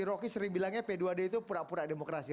rocky sering bilangnya p dua d itu pura pura demokrasi